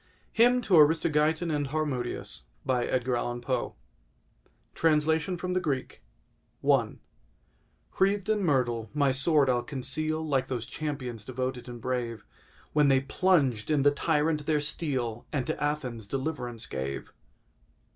HYMN TO ARISTOGEITON AND HARMODIUS Translation from the Greek I Wreathed in myrtle, my sword I'll conceal Like those champions devoted and brave, When they plunged in the tyrant their steel, And to Athens deliverance gave.